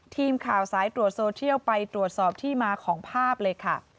ทีมข่าวสายตรวจโซเชียลไปตรวจสอบที่มาของภาพเลยค่ะ